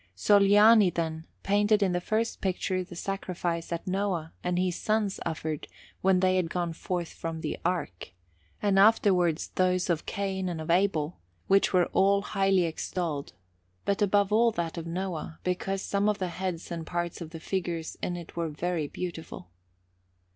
Sogliani, then, painted in the first picture the sacrifice that Noah and his sons offered when they had gone forth from the Ark, and afterwards those of Cain and of Abel; which were all highly extolled, but above all that of Noah, because some of the heads and parts of the figures in it were very beautiful.